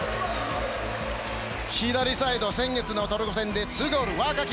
左サイド、先月のトルコ戦でゴール若き